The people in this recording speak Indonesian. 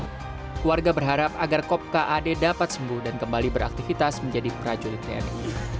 keluarga berharap agar kop kad dapat sembuh dan kembali beraktifitas menjadi prajurit tni